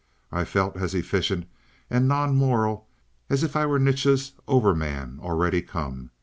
I felt as efficient and non moral as if I was Nietzsche's Over man already come.